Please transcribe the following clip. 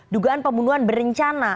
dugaan pembunuhan berencana